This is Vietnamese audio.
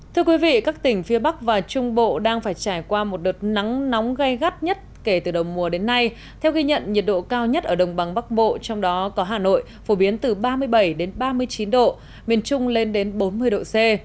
thưa quý vị các tỉnh phía bắc và trung bộ đang phải trải qua một đợt nắng nóng gây gắt nhất kể từ đầu mùa đến nay theo ghi nhận nhiệt độ cao nhất ở đồng bằng bắc bộ trong đó có hà nội phổ biến từ ba mươi bảy đến ba mươi chín độ miền trung lên đến bốn mươi độ c